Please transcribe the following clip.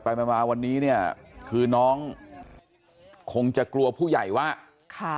มามาวันนี้เนี่ยคือน้องคงจะกลัวผู้ใหญ่ว่าค่ะ